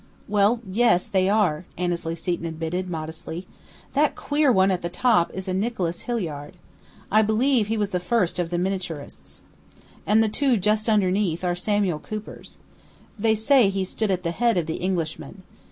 "Well, yes, they are," Annesley Seton admitted, modestly. "That queer one at the top is a Nicholas Hilliard. I believe he was the first of the miniaturists. And the two just underneath are Samuel Coopers. They say he stood at the head of the Englishmen.